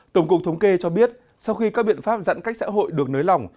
tổng cục thống kê cho biết sau khi các biện pháp giãn cách xã hội được nới lỏng